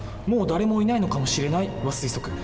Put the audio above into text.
「もう誰もいないのかもしれない」は推測。